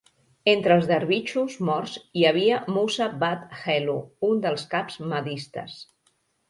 Entre els dervixos morts hi havia Musa wad Helu, un dels caps mahdistes.